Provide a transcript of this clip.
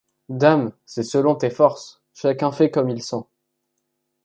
Dame ! c’est selon tes forces, chacun fait comme il sent.